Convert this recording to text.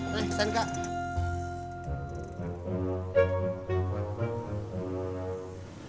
nih kesana kak